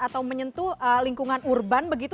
atau menyentuh lingkungan urban begitu